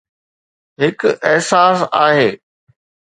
هڪ احساس آهي